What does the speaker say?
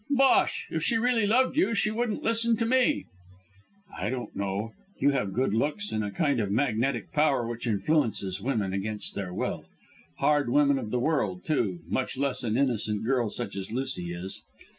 "Bosh! If she really loved you she wouldn't listen to me." "I don't know. You have good looks and a kind of magnetic power which influences women against their will: hard women of the world, too, much less an innocent girl such as Lucy is.